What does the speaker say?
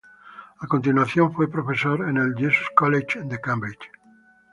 A continuación, fue profesor en el Jesus College de Cambridge.